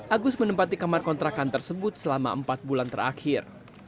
agus menempati kamar kontrakan tersebut selama empat bulan terakhir